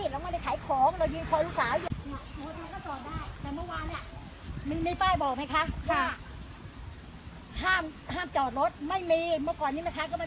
เป็นอะไรเราไม่รู้ล่ะเป็นรางเขาหรือเป็นอะไรอย่างเงี้ย